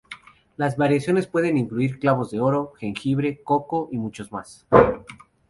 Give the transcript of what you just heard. Las variaciones pueden incluir clavos de olor, jengibre, coco y muchos más.